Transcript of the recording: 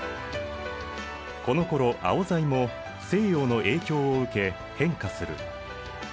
このころアオザイも西洋の影響を受け変化する。